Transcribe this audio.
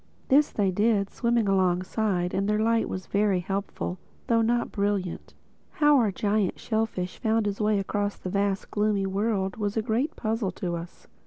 This they did, swimming alongside; and their light was very helpful, though not brilliant. How our giant shellfish found his way across that vast and gloomy world was a great puzzle to us.